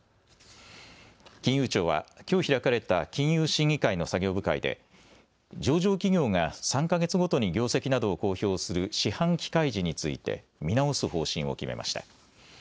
金融庁はきょう開かれた金融審議会の作業部会で上場企業が３か月ごとに業績などを公表する四半期開示について見直す方針を決めました。